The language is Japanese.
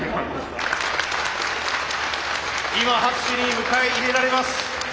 今拍手に迎え入れられます。